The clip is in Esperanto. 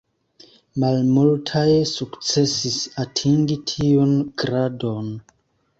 Malmultaj sukcesis atingi tiun gradon.